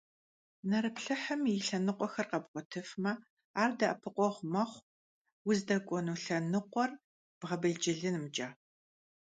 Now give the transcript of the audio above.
Nerıplhıhım yi lhenıkhuexer khebğuetıfme, ar de'epıkhueğu mexhu vuzdek'uenu lhenıkhuer bğebêlcılınımç'e.